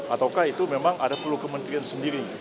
ataukah itu memang ada perlu kementerian sendiri